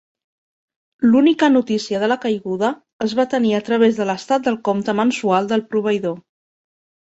L'única notícia de la caiguda es va tenir a través de l'estat del compte mensual del proveïdor.